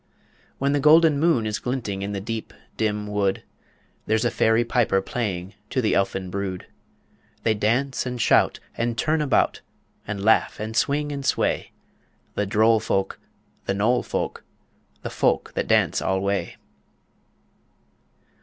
When the golden moon is glinting In the deep, dim wood, There's a fairy piper playing To the elfin brood; They dance and shout and turn about, And laugh and swing and sway The droll folk, the knoll folk, the folk that dance alway.